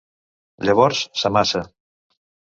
Llavors s'amassa.